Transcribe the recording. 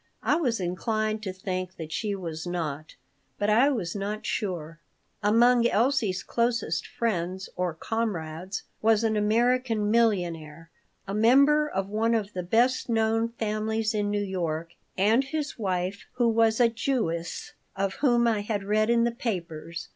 I was inclined to think that she was not, but I was not sure Among Elsie's closest friends or "comrades" was an American millionaire a member of one of the best known families in New York and his wife, who was a Jewess, of whom I had read in the papers.